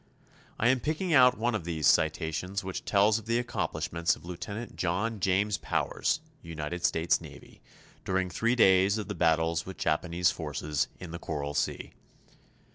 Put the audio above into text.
I am picking out one of these citations which tells of the accomplishments of Lieutenant John James Powers, United States Navy, during three days of the battles with Japanese forces in the Coral Sea.